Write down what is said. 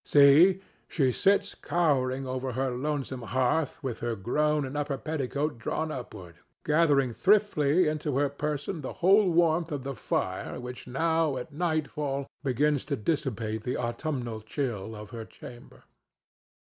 See! she sits cowering over her lonesome hearth with her gown and upper petticoat drawn upward, gathering thriftily into her person the whole warmth of the fire which now at nightfall begins to dissipate the autumnal chill of her chamber.